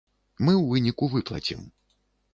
Мы ў выніку выплацім.